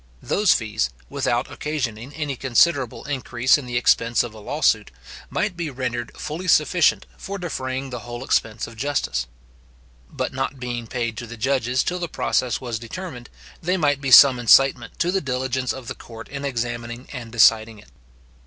Those fees, without occasioning any considerable increase in the expense of a law suit, might be rendered fully sufficient for defraying the whole expense of justice. But not being paid to the judges till the process was determined, they might be some incitement to the diligence of the court in examining and deciding it.